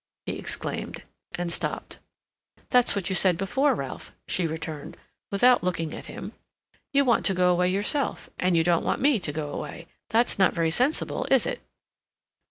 he exclaimed, and stopped. "That's what you said before, Ralph," she returned, without looking at him. "You want to go away yourself and you don't want me to go away. That's not very sensible, is it?"